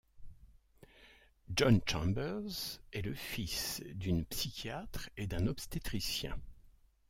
John Chambers est le fils d'une psychiatre et d'un obstétricien.